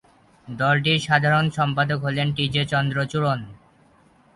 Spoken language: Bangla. দলটির সাধারণ সম্পাদক হলেন টি জে চন্দ্রচূড়ন।